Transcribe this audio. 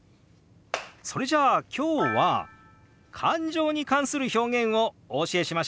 それじゃあ今日は感情に関する表現をお教えしましょう！